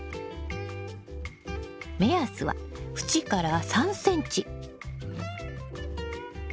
目安は縁から３ｃｍ。